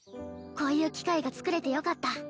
こういう機会が作れてよかった